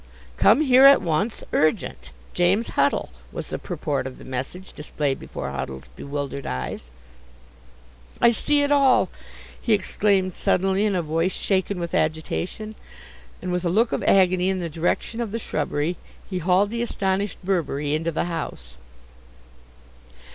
"Come here at once. Urgent. James Huddle," was the purport of the message displayed before Huddle's bewildered eyes. "I see it all!" he exclaimed suddenly in a voice shaken with agitation, and with a look of agony in the direction of the shrubbery he hauled the astonished Birberry into the house.